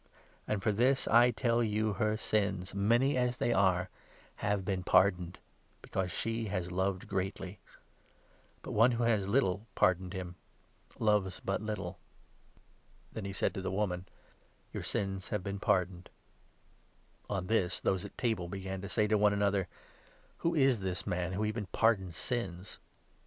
And for this, 47 I tell you, her sins, many as they are, have been pardoned, because she has loved greatly ; but one who has little pardoned him, loves but little." Then he said to the woman :" Your sins have been pardoned. " 48 On this, those at table began to say to one another : 49 " Who is this man who even pardons sins